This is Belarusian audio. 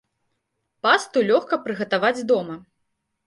Пасту лёгка прыгатаваць дома.